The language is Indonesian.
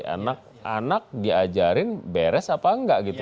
anak anak diajarin beres apa enggak gitu